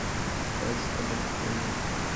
دا سیستم پرمختللی دی.